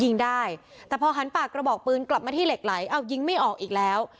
ยิงได้แต่พอหันปากกระบอกปืนกลับมาที่เหล็กไหลเอายิงไม่ออกอีกแล้ว